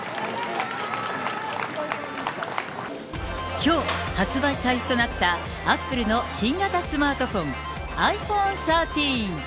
きょう、発売開始となったアップルの新型スマートフォン、ｉＰｈｏｎｅ１３。